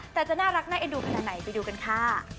แต่จะน่ารักน่าเอ็นดูขนาดไหนไปดูกันค่ะ